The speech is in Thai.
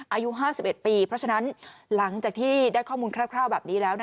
อายุ๕๑ปีเพราะฉะนั้นหลังจากที่ได้ข้อมูลคร่าวแบบนี้แล้ว